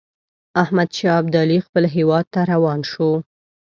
احمدشاه ابدالي خپل هیواد ته روان شو.